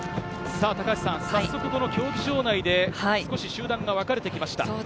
高橋さん、早速競技場内で少し集団が分かれてきました。